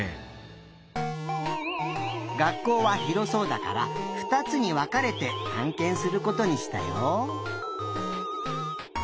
学校はひろそうだからふたつにわかれてたんけんすることにしたよ。